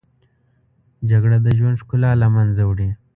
جګړه د ژوند ښکلا له منځه وړي